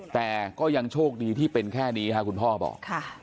แต่ก็ยังโชคดีที่เป็นแค่นี้ครับคุณพ่อบอก